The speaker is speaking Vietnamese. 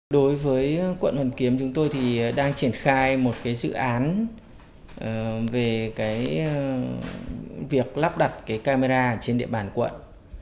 đối với quận hoàn kiếm chúng tôi thì đang triển khai một dự án về việc lắp đặt camera trên địa bàn quận